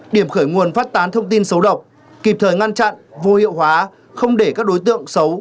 điểm khởi nguồn phát tán thông tin xấu độc kịp thời ngăn chặn vô hiệu hóa không để các đối tượng xấu